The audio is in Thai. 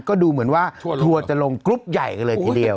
ก็ดูเหมือนว่าทัวร์จะลงกรุ๊ปใหญ่กันเลยทีเดียว